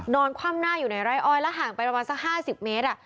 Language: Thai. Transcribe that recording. คว่ำหน้าอยู่ในไร่อ้อยแล้วห่างไปประมาณสัก๕๐เมตร